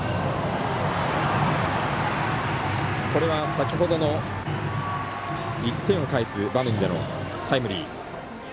先ほどの１点を返す場面でのタイムリー。